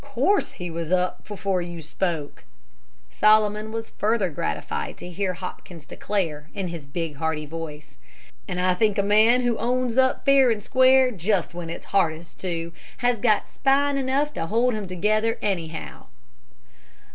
"Course he was up before you spoke!" Solomon was further gratified to hear Hopkins declare, in his big, hearty voice. "And I think a man who owns up fair and square just when it's hardest to has got spine enough to hold him together, anyhow."